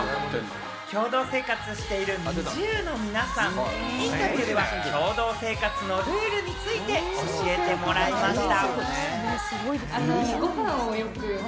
共同生活しているＮｉｚｉＵの皆さん、インタビューでは、共同生活のルールについて教えてもらいました。